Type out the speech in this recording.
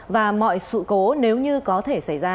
và mọi sự cố nếu như có thể xảy ra